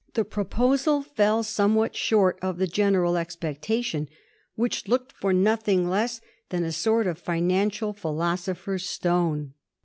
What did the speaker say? The proposal fell somewhat short of the general expectation, which looked for nothing less than a sort of financial philosopher's stone.